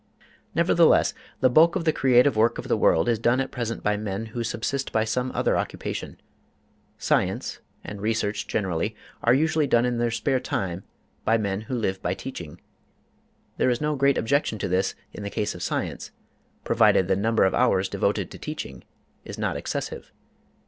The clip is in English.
Nevertheless, the bulk of the creative work of the world is done at present by men who subsist by some other occupation. Science, and research generally, are usually done in their spare time by men who live by teaching. There is no great objection to this in the case of science, provided the number of hours devoted to teaching is not excessive.